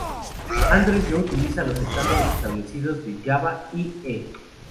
Android no utiliza los estándares establecidos de Java, i.e.